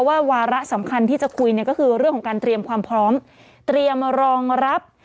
วาระสำคัญที่จะคุยเนี่ยก็คือเรื่องของการเตรียมความพร้อมเตรียมรองรับ